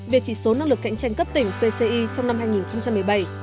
về chỉ số năng lực cạnh tranh cấp tỉnh pci trong năm hai nghìn một mươi bảy hai nghìn một mươi tám